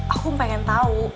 aku ingin tahu